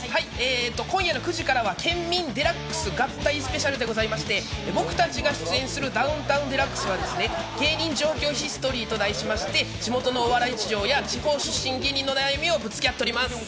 今夜９時からは『ケンミンＤＸ合体スペシャル』でございまして、僕たちが出演する『ダウンタウンＤＸ』は芸人上京ヒストリーと題しまして、地元のお笑い事情や地方出身の芸人の悩みをぶつけ合っております。